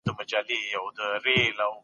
هغه د جبرائیل غږ واورېد چې زړه یې مات شو.